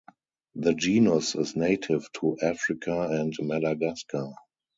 The genus is native to Africa and Madagascar.